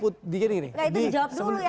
itu dijawab dulu ya tadi